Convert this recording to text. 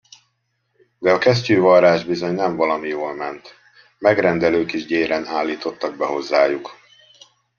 De a kesztyűvarrás bizony nem valami jól ment; megrendelők is gyéren állítottak be hozzájuk.